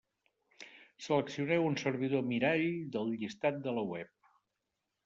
Seleccioneu un servidor mirall del llistat de la web.